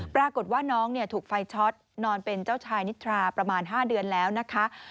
ปรากฏว่าน้องถูกไฟช็อตนอนเป็นเจ้าชายนิทราประมาณ๕เดือนแล้วนะคะ